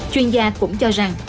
chuyên gia cũng cho rằng